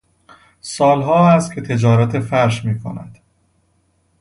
سالها است که تجارت فرش میکند.